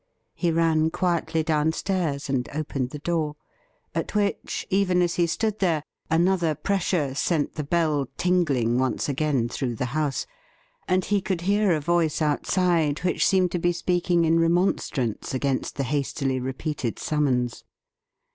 He ran quietly downstairs and opened the door, at which, even as he stood there, another pressure sent the bell tingling once again through the house, and he could hear a voice outside which seemed to be speaking in re monstrance against the hastily repeated summons.